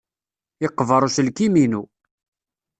Yeqber uselkim-inu.